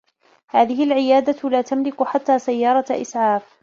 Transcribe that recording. هذه العيادة لا تملك حتّى سيّارة إسعاف.